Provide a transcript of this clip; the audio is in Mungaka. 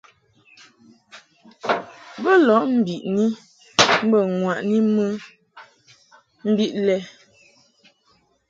Bo lɔʼ mbiʼni mbə ŋwaʼni mɨ mbiʼ lɛ.